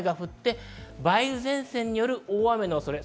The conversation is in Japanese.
梅雨前線による大雨の恐れです。